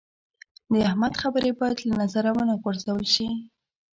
د احمد خبرې باید له نظره و نه غورځول شي.